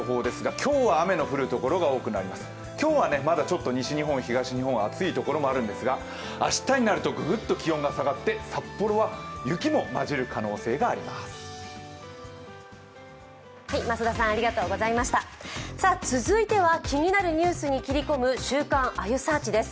今日は西日本、東日本は暑いところもあるんですが、明日になるとグッと気温が下がって札幌は雪も混じる可能性があります。